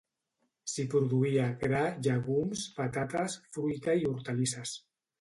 S'hi produïa gra, llegums, patates, fruita i hortalisses.